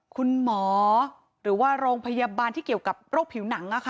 คุณหมอหรือว่าโรงพยาบาลที่เกี่ยวกับโรคผิวหนัง